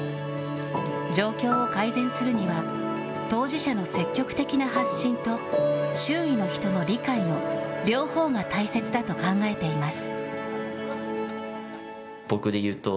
状況を改善するには、当事者の積極的な発信と、周囲の人の理解の、両方が大切だと考えています。